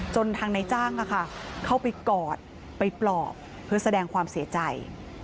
ทางนายจ้างเข้าไปกอดไปปลอบเพื่อแสดงความเสียใจ